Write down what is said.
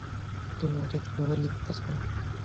তুমি এটা কীভাবে লিখতে চাও?